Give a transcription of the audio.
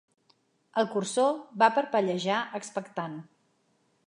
El cursor va parpellejar expectant.